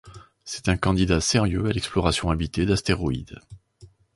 C'est un candidat sérieux à l'exploration habitée d'astéroïde.